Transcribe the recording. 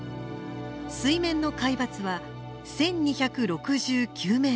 水面の海抜は１，２６９メートル。